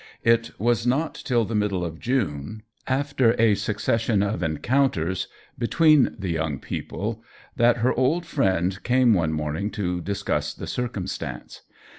It was not till the middle of June, after a suc cession of encounters between the young people, that her old friend came one morn ing to discuss the circumstance.